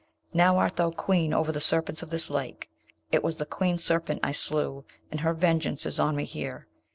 Now art thou Queen over the serpents of this lake: it was the Queen serpent I slew, and her vengeance is on me here.